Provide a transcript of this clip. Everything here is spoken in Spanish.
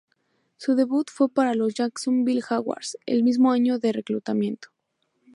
Su debut fue para los Jacksonville Jaguars el mismo año de reclutamiento.